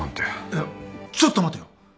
いやちょっと待てよ。